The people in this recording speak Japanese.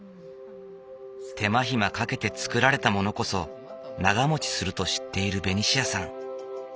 手間暇かけて作られたものこそ長もちすると知っているベニシアさん。